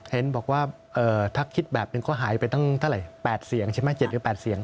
เห็นบอกว่าถ้าคิดแบบหนึ่งก็หายไปตั้งเท่าไหร่๘เสียงใช่ไหม๗หรือ๘เสียง